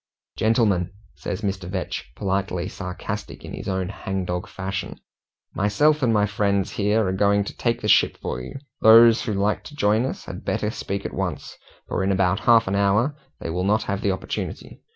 "Gentlemen," says Mr. Vetch, politely sarcastic in his own hangdog fashion, "myself and my friends here are going to take the ship for you. Those who like to join us had better speak at once, for in about half an hour they will not have the opportunity."